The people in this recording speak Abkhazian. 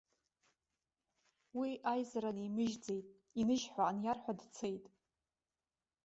Уи аизара нимыжьӡеит, иныжь ҳәа аниарҳәа дцеит.